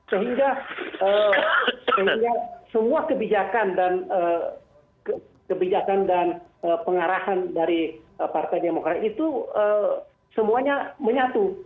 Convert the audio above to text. sehingga semua kebijakan dan kebijakan dan pengarahan dari partai demokrat itu semuanya menyatu